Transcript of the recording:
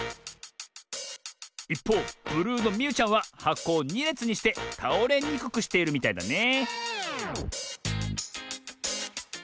いっぽうブルーのみゆちゃんははこを２れつにしてたおれにくくしているみたいだね